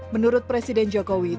menurut presiden jokowi